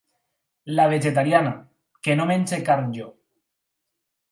La vegetariana, que no menjo carn jo.